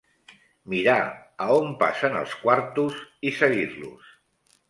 Mirar a on passen els quartos, i seguir-los